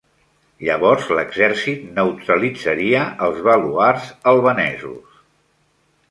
Llavors l'exèrcit "neutralitzaria els baluards albanesos".